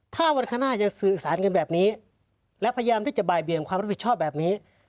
ถ้าวันข้างหน้าจะสื่อสารกันแบบนี้และพยายามที่จะบ่ายเบี่ยงความรับผิดชอบแบบนี้